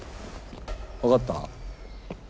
わかった？